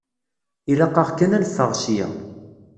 Ilaq-aɣ kan ad neffeɣ ssya.